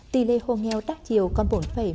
tỷ lệ hồ nghèo đắt chiều còn bốn một mươi sáu